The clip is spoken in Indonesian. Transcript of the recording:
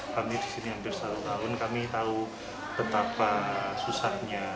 kami disini hampir satu tahun kami tahu betapa susahnya